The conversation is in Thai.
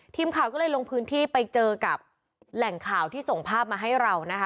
ทีมข่าวก็เลยลงพื้นที่ไปเจอกับแหล่งข่าวที่ส่งภาพมาให้เรานะคะ